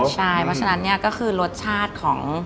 ใช่เพราะฉะนั้นเนี่ยก็คือรสชาติของ